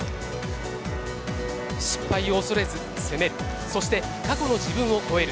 失敗を恐れず攻めそして過去の自分を超える。